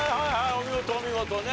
お見事お見事ね。